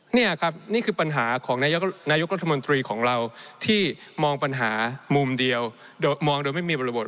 นี่ครับนี่คือปัญหาของนายกรัฐมนตรีของเราที่มองปัญหามุมเดียวโดยมองโดยไม่มีบริบท